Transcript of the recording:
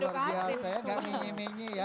luar biasa ya enggak menye menye ya